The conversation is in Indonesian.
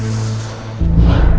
terima kasih semua